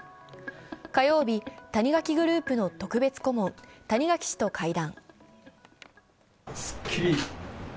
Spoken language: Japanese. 火曜日、谷垣グループの特別顧問、谷垣氏と会談。